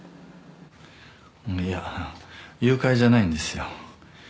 いや誘拐じゃないんですよ。